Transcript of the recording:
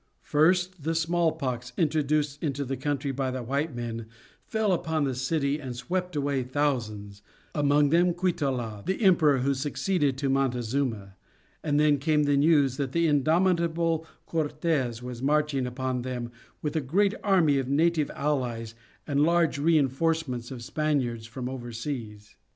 First the small pox, introduced into the country by the white men, fell upon the city and swept away thousands, among them Cuitlahua, the emperor who succeeded to Montezuma, and then came the news that the indomitable Cortes was marching upon them with a great army of native allies and large reinforcements of Spaniards from overseas.